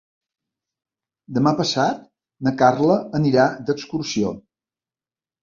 Demà passat na Carla anirà d'excursió.